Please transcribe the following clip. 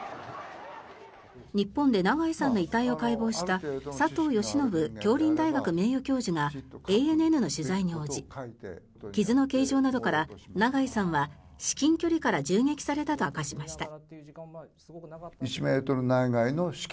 日本で長井さんの遺体を解剖した佐藤喜宣杏林大学名誉教授がＡＮＮの取材に応じ傷の形状などから長井さんは至近距離から銃撃されたと明かしました。